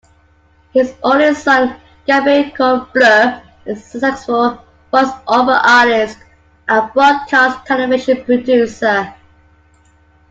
His only son, Gabriel Kornbluh, is a successful voiceover artist and broadcast television producer.